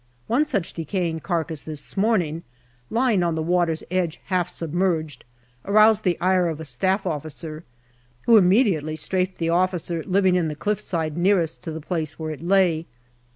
One such decaying carcass this morning, lying on the water's edge half submerged, aroused the ire of a Staff Officer, who immediately strafed the officer living in the cliff side nearest to the place where it lay.